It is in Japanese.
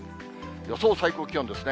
予想最高気温ですね。